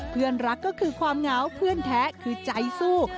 เพื่อนรักก็คือความเหงาเพื่อนแท้คือใจสู้